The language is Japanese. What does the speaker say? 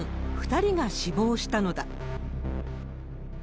２人が死亡したのだ。